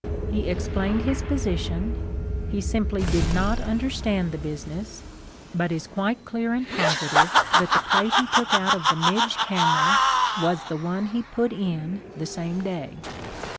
He explained his position — he simply did not understand the business, but is quite clear and positive that the plate he took out of the Midg camera was the one he put in the same day.